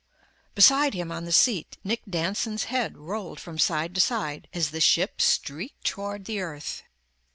Beside him, on the seat, Nick Danson's head rolled from side to side as the ship streaked toward the earth.